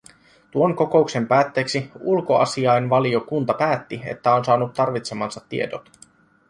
Tuon kokouksen päätteeksi ulkoasiainvaliokunta päätti, että on saanut tarvitsemansa tiedot.